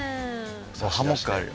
ハンモックあるよ。